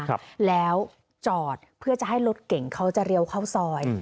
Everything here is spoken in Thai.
ครับแล้วจอดเพื่อจะให้รถเก่งเขาจะเลี้ยวเข้าซอยอืม